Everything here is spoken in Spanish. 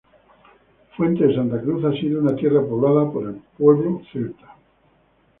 Fuente de Santa Cruz ha sido una tierra poblada por el pueblo celta.